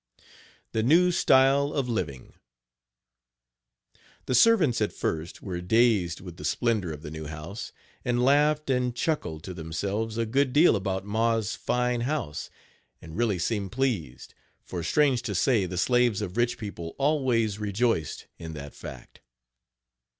THE NEW STYLE OF LIVING. The servants, at first, were dazed with the splendor of the new house, and laughed and chuckled to Page 63 themselves a good deal about mars' fine house, and really seemed pleased; for, strange to say, the slaves of rich people always rejoiced in that fact.